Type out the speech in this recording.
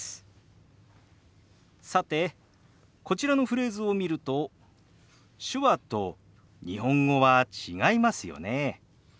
さてこちらのフレーズを見ると手話と日本語は違いますよね。